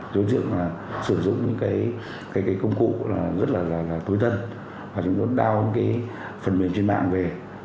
chúng tôi thực sự sử dụng những cái công cụ rất là tối thân chúng tôi đã đao những cái phần mềm trên mạng về